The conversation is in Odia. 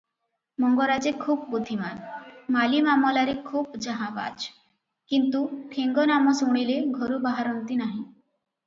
ମଙ୍ଗରାଜେ ଖୁବ୍ ବୁଦ୍ଧିମାନ, ମାଲି ମାମଲାରେ ଖୁବ୍ ଜାହାଁବାଜ; କିନ୍ତୁ ଠେଙ୍ଗନାମ ଶୁଣିଲେ ଘରୁ ବାହରନ୍ତି ନାହିଁ ।